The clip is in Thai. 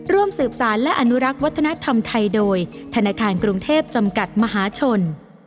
ร่วมสืบสารและอนุรักษ์วัฒนธรรมไทยโดยธนาคารกรุงเทพจำกัดมหาชน